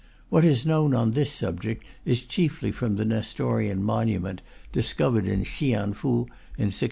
(What is known on this subject is chiefly from the Nestorian monument discovered in Hsianfu in 1625.)